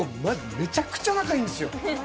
めちゃくちゃ仲いいんですよ。